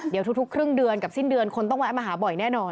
เดี๋ยวทุกครึ่งเดือนกับสิ้นเดือนคนต้องแวะมาหาบ่อยแน่นอน